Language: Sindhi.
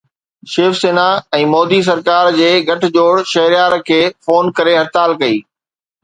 شيو سينا ۽ مودي سرڪار جي گٹھ جوڙ شهريار کي فون ڪري هڙتال ڪئي